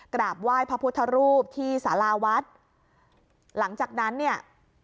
กราบไหว้พระพุทธรูปที่สาราวัดหลังจากนั้นเนี่ย